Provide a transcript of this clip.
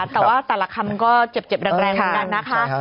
แต่ว่าแต่ละคำก็เจ็บแรงเหมือนกันนะคะ